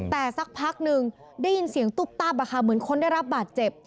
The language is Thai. แต่สักพักนึงได้ยินเสียงตุ๊บตับเหมือนคนได้รับบาดเจ็บ